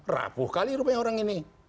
rapuh kali rupanya orang ini